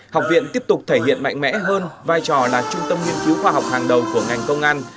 học viện tiếp tục thể hiện mạnh mẽ hơn vai trò là trung tâm nghiên cứu khoa học hàng đầu của ngành công an